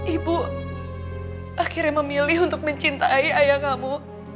ibu akhirnya memilih untuk mencintai ayah kamu